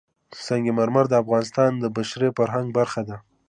سنگ مرمر د افغانستان د بشري فرهنګ برخه ده.